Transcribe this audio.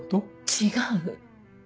違う。